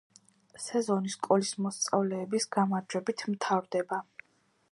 სეზონი სკოლის მოსწავლეების გამარჯვებით მთავრდება.